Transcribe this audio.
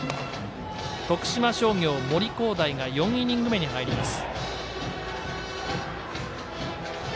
徳島商業、森煌誠が４イニング目に入ります。